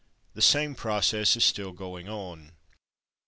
The same process is still going on.